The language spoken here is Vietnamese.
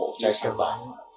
một chai xe bán